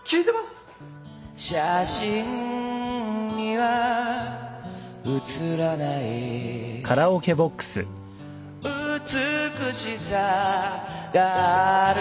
「写真には写らない美しさがあるから」